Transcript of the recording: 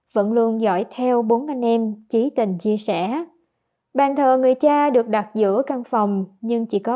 vẫn luôn giỏi theo bốn anh em trí tình chia sẻ bàn thờ người cha được đặt giữa căn phòng nhưng chỉ có